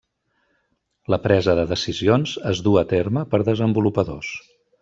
La presa de decisions es duu a terme per desenvolupadors.